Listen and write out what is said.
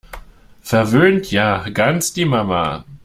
Verwöhnt ja - ganz die Mama!